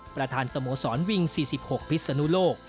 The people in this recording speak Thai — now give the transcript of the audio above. ประธานสโมสรวิง๔๖พิศนุโลก